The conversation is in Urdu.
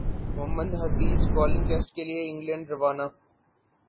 محمد حفیظ بالنگ ٹیسٹ کیلئے انگلینڈ روانہ